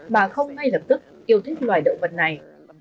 mà không ngay lập tức yêu thích loài động vật này